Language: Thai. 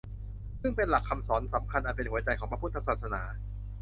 ซึ่งเป็นหลักคำสอนสำคัญอันเป็นหัวใจของพระพุทธศาสนา